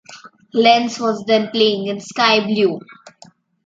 Lens was then playing in sky blue.